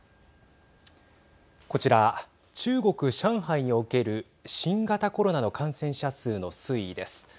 こちら、中国上海における新型コロナの感染者数の推移です。